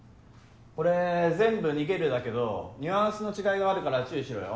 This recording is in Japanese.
これ全部「逃げる」だけどニュアンスの違いがあるから注意しろよ。